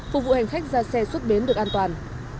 phục vụ hành khách ra xe xuất bến được an toàn